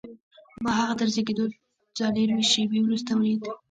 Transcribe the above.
ما هغه تر زېږېدو څلرویشت شېبې وروسته ولید